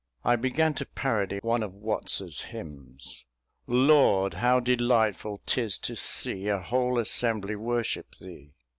I began to parody one of Watts's hymns "Lord! how delightful 'tis to see A whole assembly worship thee."